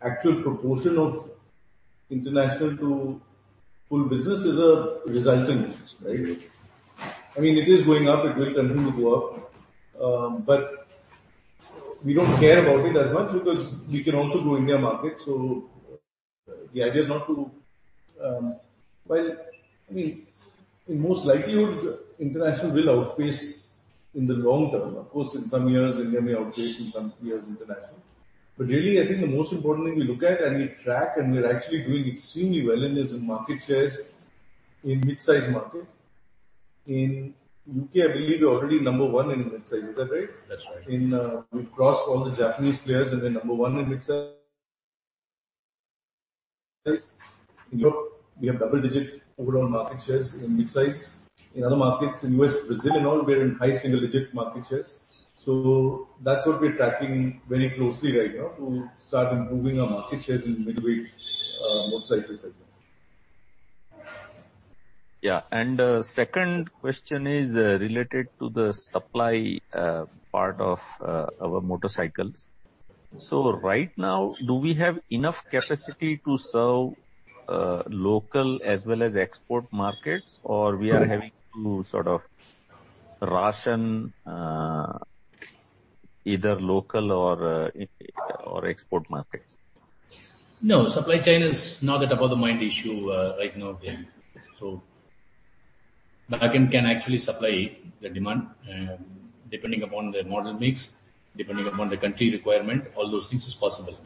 actual proportion of international to full business is a resultant, right? I mean, it is going up. It will continue to go up. We don't care about it as much because we can also grow India market. The idea is not to. Well, I mean, in most likelihood, international will outpace in the long term. Of course, in some years India may outpace, in some years international. Really, I think the most important thing we look at and we track, and we're actually doing extremely well in this, in market shares in midsize market. In U.K., I believe we're already number one in midsize. Is that right? That's right. We've crossed all the Japanese players and we're number one in midsize. In Europe, we have double-digit overall market shares in midsize. In other markets, in US, Brazil and all, we're in high single-digit market shares. That's what we're tracking very closely right now to start improving our market shares in mid-weight motorcycle segment. Yeah. Second question is related to the supply part of our motorcycles. Right now, do we have enough capacity to serve local as well as export markets or we are having to sort of ration either local or or export markets? No. Supply chain is not at about the mind issue, right now. Backend can actually supply the demand, depending upon the model mix, depending upon the country requirement. All those things is possible.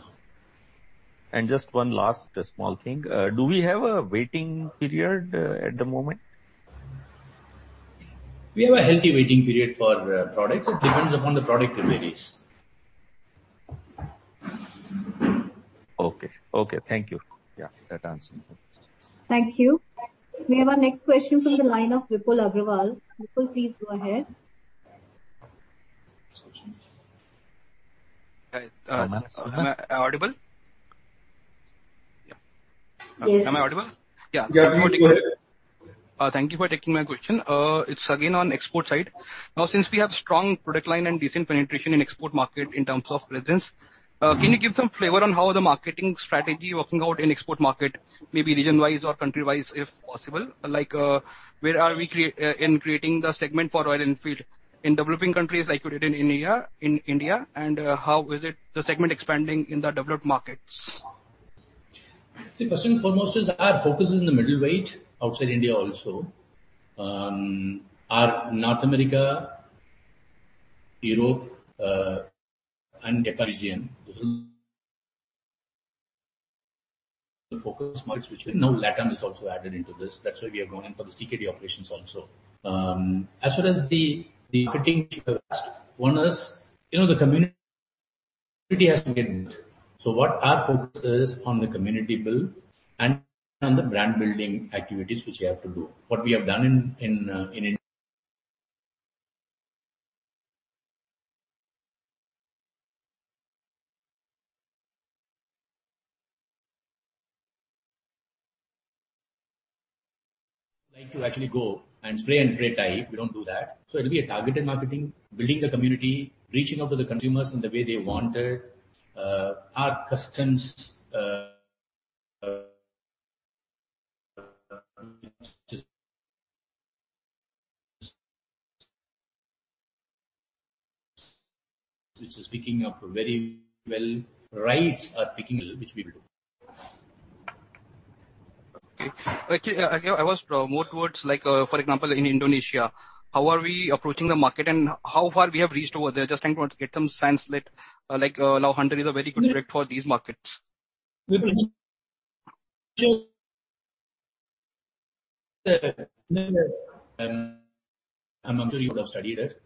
Just one last small thing. Do we have a waiting period at the moment? We have a healthy waiting period for products. Okay. It depends upon the product it varies. Okay. Okay. Thank you. Yeah, that answers my question. Thank you. We have our question from the line of Vipul Aggarwal. Vipul, please go ahead. Hi. Am I audible? Yeah. Yes. Am I audible? Yeah. Thank you for taking my question. It's again on export side. Now, since we have strong product line and decent penetration in export market in terms of presence, can you give some flavor on how the marketing strategy working out in export market, maybe region-wise or country-wise, if possible? Like, where are we in creating the segment for Royal Enfield in developing countries like you did in India and, how is it the segment expanding in the developed markets? First and foremost is our focus is in the middleweight outside India also. Our North America, Europe, and Japan region, those are the focus markets, which we know LATAM is also added into this. That's why we are going in for the CKD operations also. As far as the marketing you have asked, one is, you know, the community has to get involved. What our focus is on the community build and on the brand building activities which we have to do. What we have done in like to actually go and spray and pray type, we don't do that. It'll be a targeted marketing, building the community, reaching out to the consumers in the way they want it. Our customs, which is picking up very well. Rides are picking up, which we will do. Okay. Actually, I was more towards like, for example, in Indonesia, how are we approaching the market and how far we have reached over there? Just trying to get some sense like, now Hunter is a very good fit for these markets. We believe. I'm sure you would have studied it.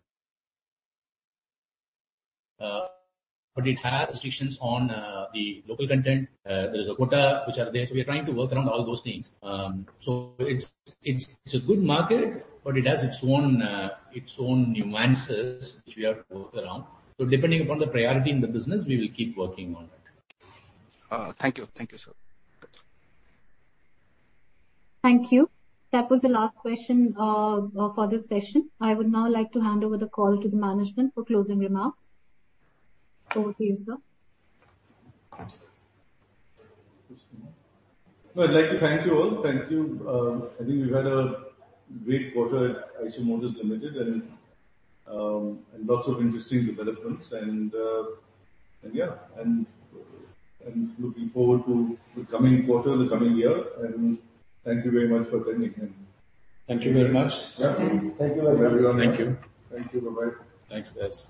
It has restrictions on the local content. There is a quota which are there, so we are trying to work around all those things. It's a good market, but it has its own nuances which we have to work around. Depending upon the priority in the business, we will keep working on it. Thank you. Thank you, sir. That's all. Thank you. That was the last question for this session. I would now like to hand over the call to the management for closing remarks. Over to you, sir. I'd like to thank you all. Thank you. I think we've had a great quarter at Eicher Motors Limited and lots of interesting developments and looking forward to the coming quarter, the coming year. Thank you very much for attending. Thank you very much. Yeah. Thank you very much. Thank you. Thank you. Bye-bye. Thanks, guys.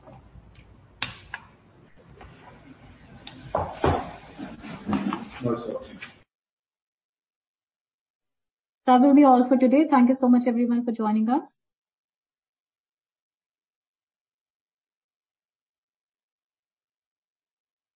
That's all. That will be all for today. Thank you so much everyone for joining us.